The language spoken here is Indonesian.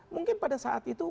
mungkin pada saat itu